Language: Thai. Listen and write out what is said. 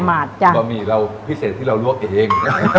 บะหมี่เราพิเศษที่เราลวกเอง